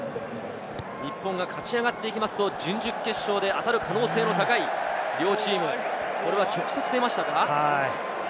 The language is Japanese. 日本が勝ち上がっていくと準々決勝で当たる可能性の高い両チーム、直接出ましたか？